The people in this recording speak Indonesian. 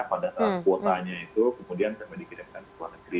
pada saat kuotanya itu kemudian termedikirkan ke luar negeri